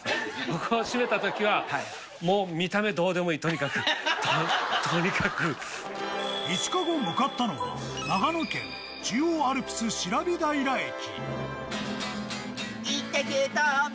ここを閉めたときは、もう見た目どうでもいい、とにかく、５日後、向かったのは長野県中央アルプスしらび平駅。